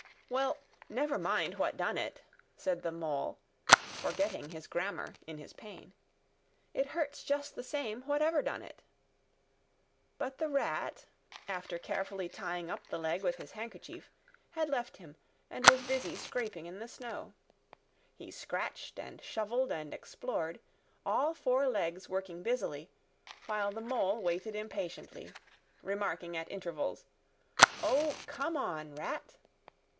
"Well, never mind what done it," said the Mole, forgetting his grammar in his pain. "It hurts just the same, whatever done it." But the Rat, after carefully tying up the leg with his handkerchief, had left him and was busy scraping in the snow. He scratched and shovelled and explored, all four legs working busily, while the Mole waited impatiently, remarking at intervals, "O, come on, Rat!"